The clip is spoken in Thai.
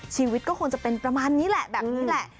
ชีวิตก็คงจะเป็นประมาณนี้แหละแบบนี้แหละ